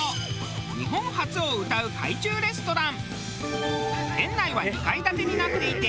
日本初をうたう海中レストラン。